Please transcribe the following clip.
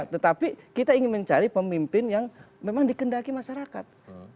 tetapi kita ingin mencari pemimpin yang memang dikendaki masyarakat